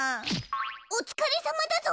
おつかれさまだぞ。